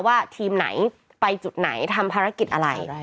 ว่าทีมไหนไปจุดไหนทำภารกิจอะไร